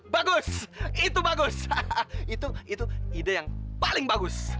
bagus itu bagus itu ide yang paling bagus